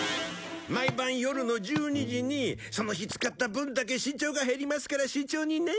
毎晩夜の１２時にその日使った分だけ身長が減りますから慎重にね。